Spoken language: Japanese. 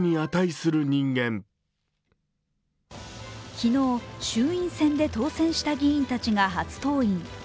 昨日、衆院選で当選した議員たちが初登院。